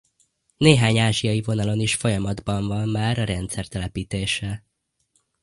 Néhány ázsiai vonalon is folyamatban van már a rendszer telepítése.